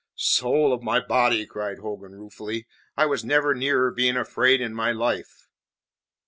"Soul of my body!" cried Hogan ruefully, "I was never nearer being afraid in my life."